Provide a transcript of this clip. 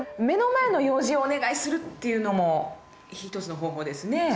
目の前の用事をお願いするっていうのも一つの方法ですね。